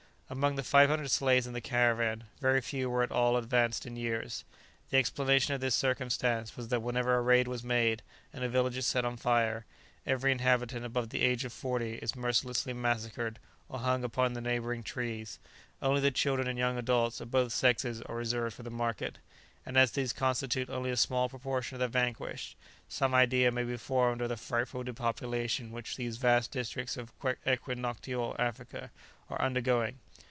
Among the five hundred slaves in the caravan, very few were at all advanced in years. The explanation of this circumstance was that whenever a raid is made, and a village is set on fire, every inhabitant above the age of forty is mercilessly massacred or hung upon the neighbouring trees; only the children and young adults of both sexes are reserved for the market, and as these constitute only a small proportion of the vanquished, some idea may be formed of the frightful depopulation which these vast districts of Equinoctial Africa are undergoing.